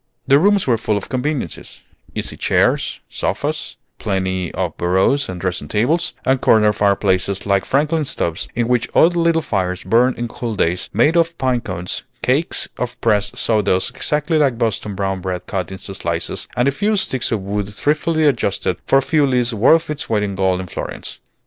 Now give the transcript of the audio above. The rooms were full of conveniences, easy chairs, sofas, plenty of bureaus and dressing tables, and corner fireplaces like Franklin stoves, in which odd little fires burned on cool days, made of pine cones, cakes of pressed sawdust exactly like Boston brown bread cut into slices, and a few sticks of wood thriftily adjusted, for fuel is worth its weight in gold in Florence.